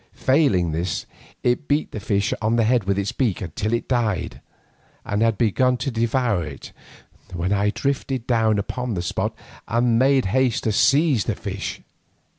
Failing in this, it beat the fish on the head with its beak till it died, and had begun to devour it, when I drifted down upon the spot and made haste to seize the fish.